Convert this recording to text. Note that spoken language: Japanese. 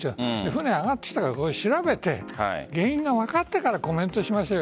船が揚がってきてから調べて原因が分かってからコメントしましょう。